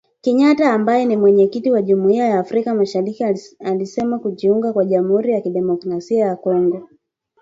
Kenyatta ambaye ni Mwenyekiti wa Jumuiya ya Afrika Mashariki alisema kujiunga kwa Jamhuri ya Kidemokrasia ya Kongo